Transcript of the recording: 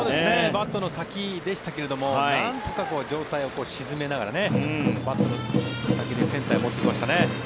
バットの先でしたけどもなんとか上体を沈めながらバットの先でセンターへ持っていきましたね。